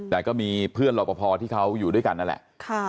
แต่ก็มีเพื่อนรอปภที่เขาอยู่ด้วยกันนั่นแหละ